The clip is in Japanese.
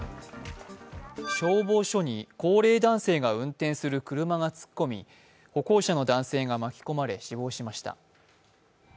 消防署に高齢男性が運転する車が突っ込み歩行者の男性が巻き込まれ死亡しました。